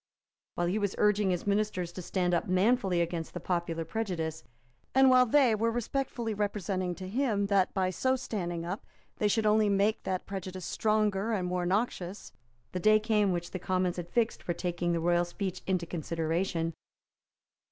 While he was urging his ministers to stand up manfully against the popular prejudice, and while they were respectfully representing to him that by so standing up they should only make that prejudice stronger and more noxious, the day came which the Commons had fixed for taking the royal speech into consideration.